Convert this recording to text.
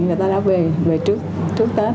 người ta đã về trước tết